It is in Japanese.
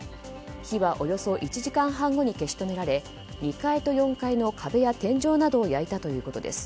火はおよそ１時間半後に消し止められ２階と４階の壁や天井などを焼いたということです。